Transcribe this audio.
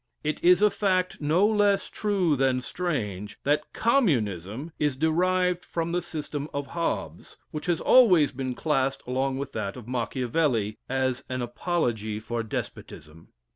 It is a fact no less true than strange, that Communism is derived from the system of Hobbes, which has always been classed along with that of Machiavelli, as an apology for despotism.